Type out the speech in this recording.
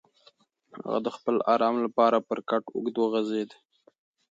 هغه د خپل ارام لپاره پر کټ اوږد وغځېد.